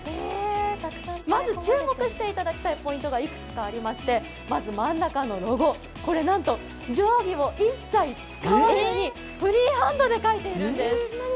まず注目していただきたいポイントがいくつかありましてまず真ん中のロゴ、これなんと定規を一切使わずにフリーハンドで描いているんです。